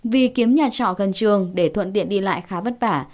vì kiếm nhà trọ gần trường để thuận tiện đi lại khá vất vả